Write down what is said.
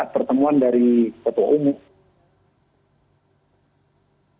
pertemuan dari ketua umum